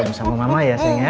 ketemu sama mama ya sayang ya